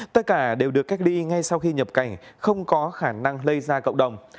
tất cả đều được cách ly ngay sau khi nhập cảnh không có khả năng lây ra cộng đồng